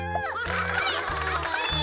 あっぱれあっぱれ。